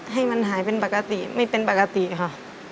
ให้มันหายเป็นปกติไม่เป็นปกติค่ะ